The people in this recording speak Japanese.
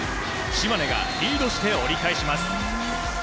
島根がリードして折り返します。